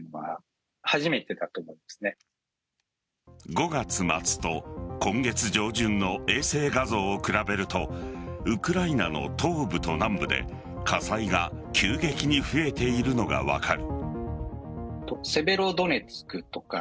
５月末と今月上旬の衛星画像を比べるとウクライナの東部と南部で火災が急激に増えているのが分かる。